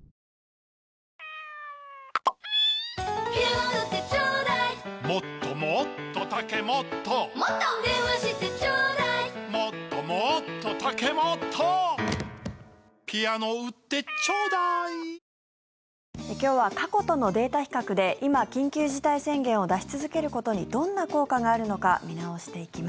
なぜ、緊急事態宣言を出しても外出する人が今日は過去とのデータ比較で今、緊急事態宣言を出し続けることにどんな効果があるのか見直していきます。